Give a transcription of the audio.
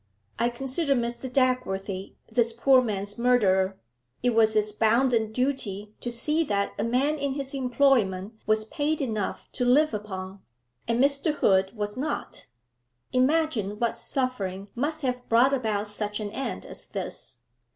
I consider Mr. Dagworthy this poor man's murderer; it was his bounden duty to see that a man in his employment was paid enough to live upon, and Mr. Hood was not. Imagine what suffering must have brought about such an end as this.